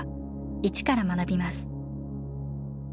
一から学びます。